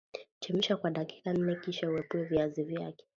Chemsha kwa dakika nne kisha uepue viazi vyake